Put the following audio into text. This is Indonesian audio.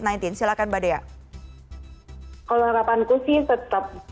dalam bersama sama bergotong royong kolaborasi menangani masyarakat